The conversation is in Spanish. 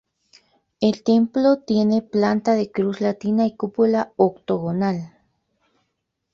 El templo tiene planta de cruz latina y cúpula octogonal.